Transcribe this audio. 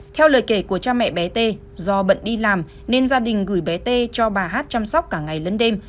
theo lời kể của cha mẹ bé t do bận đi làm nên gia đình gửi bé t cho bà hát chăm sóc cả ngày lẫn đêm